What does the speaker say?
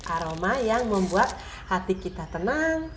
aroma yang membuat hati kita tenang